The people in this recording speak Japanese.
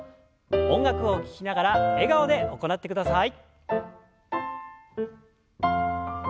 音楽を聞きながら笑顔で行ってください。